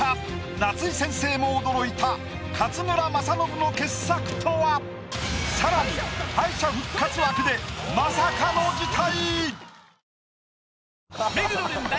夏井先生も驚いた勝村政信の傑作とは⁉更に敗者復活枠でまさかの事態！